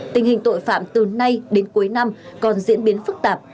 tình hình tội phạm từ nay đến cuối năm còn diễn biến phức tạp